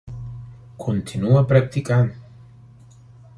Continua practicant.